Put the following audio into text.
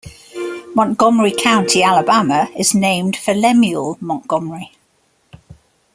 Montgomery County, Alabama, is named for Lemuel Montgomery.